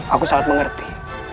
aku sangat mengerti